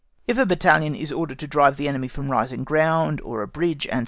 If a battalion is ordered to drive the enemy from a rising ground, or a bridge, &c.